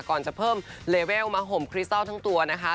ก่อนจะเพิ่มเลเวลมาห่มคริสตัลทั้งตัวนะคะ